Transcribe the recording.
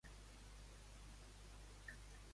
No heu vingut aquí per parlar de les nostres filles.